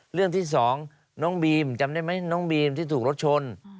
เรื่องที่สองน้องบีมจำได้ไหมน้องบีมที่ถูกรถชน